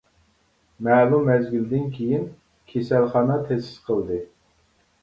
مەلۇم مەزگىلدىن كىيىن كېسەلخانا تەسىس قىلدى.